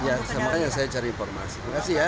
ya semuanya saya cari informasi ya